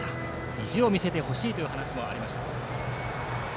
意地を見せてほしいという話もありました。